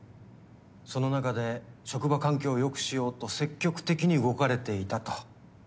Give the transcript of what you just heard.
・その中で職場環境を良くしようと積極的に動かれていたと。